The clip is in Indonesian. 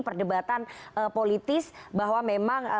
perdebatan politis bahwa memang